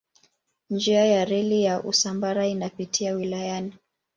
Njia ya reli ya Usambara inapita wilayani.